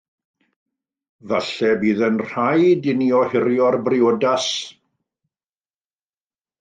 Efallai y bydd yn rhaid i ni ohirio'r briodas.